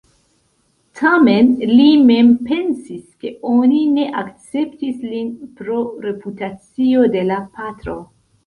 Tamen li mem pensis ke oni ne akceptis lin pro reputacio de la patro.